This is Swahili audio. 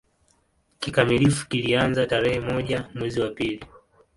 Kikamilifu kilianza tarehe moja mwezi wa pili